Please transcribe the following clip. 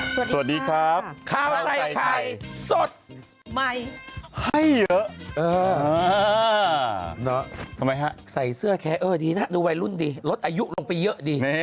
สวัสดีครับข้าวใส่ไข่สดใหม่ให้เยอะทำไมฮะใส่เสื้อแคร์เออดีนะดูวัยรุ่นดีลดอายุลงไปเยอะดี